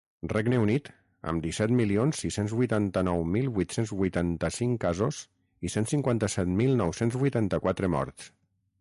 Regne Unit, amb disset milions sis-cents vuitanta-nou mil vuit-cents vuitanta-cinc casos i cent cinquanta-set mil nou-cents vuitanta-quatre morts.